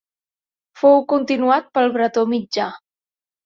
Fou continuat pel bretó mitjà.